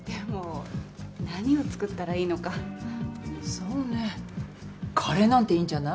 そうねカレーなんていいんじゃない？